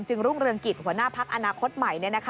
รุ่งเรืองกิจหัวหน้าพักอนาคตใหม่